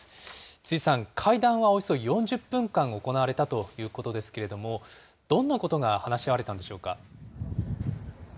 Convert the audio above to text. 辻さん、会談はおよそ４０分間行われたということですけれども、どんなことが話し合われたんでしょうか。